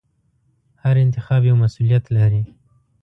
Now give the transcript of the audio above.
هر انتخاب یو مسؤلیت لري.